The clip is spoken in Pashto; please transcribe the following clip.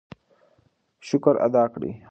شکر ادا کړئ.